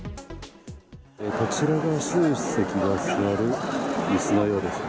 こちらが習主席が座るいすのようですね。